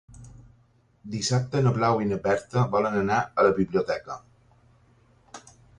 Dissabte na Blau i na Berta volen anar a la biblioteca.